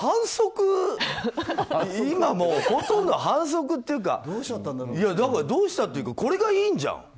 今ほとんど反則というかだから、どうしたっていうかこれがいいんじゃん。